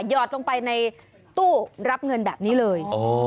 หอดลงไปในตู้รับเงินแบบนี้เลย